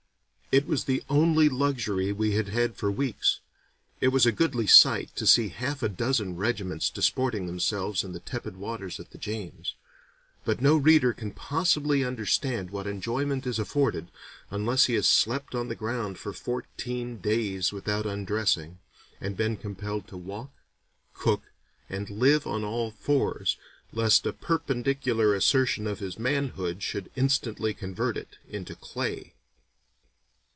"It was the only luxury we had had for weeks. It was a goodly sight to see half a dozen regiments disporting themselves in the tepid waters of the James. But no reader can possibly understand what enjoyment it afforded, unless he has slept on the ground for fourteen days without undressing, and been compelled to walk, cook, and live on all fours, lest a perpendicular assertion of his manhood should instantly convert it into clay."